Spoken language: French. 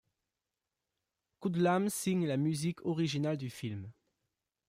Koudlam signe la musique originale du film.